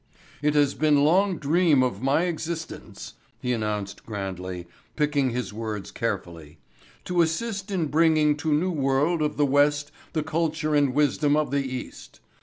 "It has been long dream of my existence," he announced grandly, picking his words carefully, "to assist in bringing to new world of the west the culture and wisdom of the east.